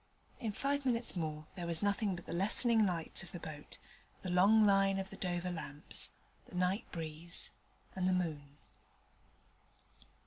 In five minutes more there was nothing but the lessening lights of the boat, the long line of the Dover lamps, the night breeze, and the moon.